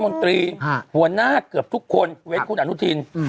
ฮคุณทุยบนมทีนะครับหัวหน้าเกือบทุกคนเว้นคุณอนุทิณ